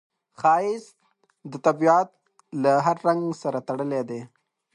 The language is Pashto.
ښایست د طبیعت له هر رنګ سره تړلی دی